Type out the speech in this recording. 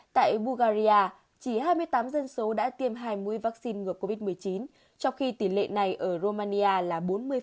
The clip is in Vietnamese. tại bulgaria chỉ hai mươi tám dân số đã tiêm hai mươi vaccine ngược covid một mươi chín trong khi tỷ lệ này ở romania là bốn mươi năm